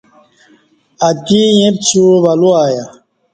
اتی ایں پڅیوع ولو ایہ۔